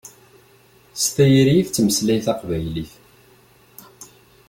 S tayri i tettmeslay taqbaylit.